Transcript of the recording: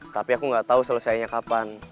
tapi aku nggak tahu selesainya kapan